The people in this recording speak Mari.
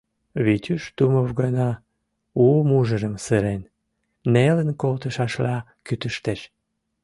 Витюш Тумов гына у мужырым сырен, нелын колтышашла кӱтыштеш.